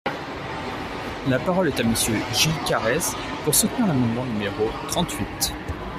La parole est à Monsieur Gilles Carrez, pour soutenir l’amendement numéro trente-huit.